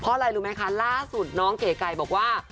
เพราะอะไรรู้ไหมคะล่าสุดน้องเก๋ไก่บอกว่า